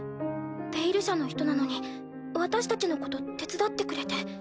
「ペイル社」の人なのに私たちのこと手伝ってくれて。